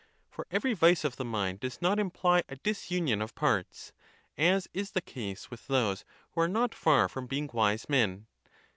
For ev ery vice of the mind does not imply a disunion of parts; as is the case with those who are not far from being wise men.